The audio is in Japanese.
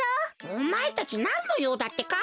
おまえたちなんのようだってか？